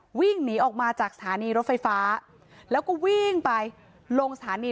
วิ่งหนีออกมาจากสถานีรถไฟฟ้าแล้วก็วิ่งไปลงสถานี